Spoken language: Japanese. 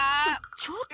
ちょっと。